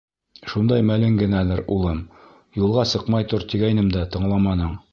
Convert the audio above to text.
Шундай мәлең генәлер, улым, юлға сыҡмай тор, тигәйнем дә, тыңламаның.